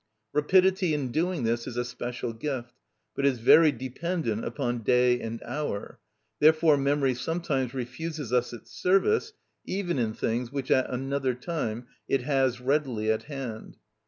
Rapidity in doing this is a special gift, but is very dependent upon day and hour; therefore memory sometimes refuses us its service, even in things which at another time it has readily at hand.